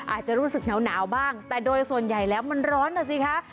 อาจจะรู้สึกหนาวบ้างแต่โดยส่วนใหญ่แล้วมันร้อนนะสิคะ